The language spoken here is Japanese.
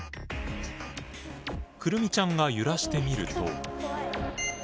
来美ちゃんが揺らしてみると。